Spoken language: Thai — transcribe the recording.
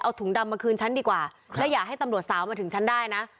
เอาถุงดำมาคืนฉันดีกว่าและอย่าให้ตำรวจสาวมาถึงฉันได้นะ